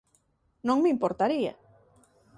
Non me importaría.